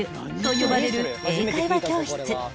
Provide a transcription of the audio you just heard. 呼ばれる英会話教室